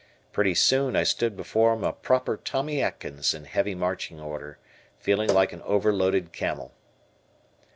Pretty soon I stood before him a proper Tommy Atkins in heavy marching order, feeling like an overloaded camel.